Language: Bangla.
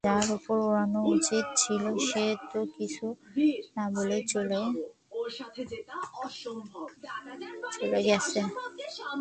যার উপর উড়ানোর উচিত ছিল সে তো কিছু না বলেই চলে গেছে।